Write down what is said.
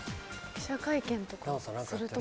記者会見とかする所。